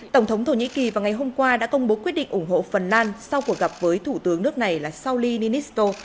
tổng thống thổ nhĩ kỳ vào ngày hôm qua đã công bố quyết định ủng hộ phần lan sau cuộc gặp với thủ tướng nước này là solinesto